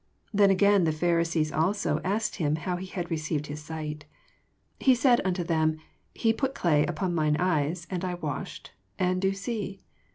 15 Then again the iPharisees also asked him how he had reoeived his sight. He said unto them, He put clay upon mine eyes, and I washed, and do see.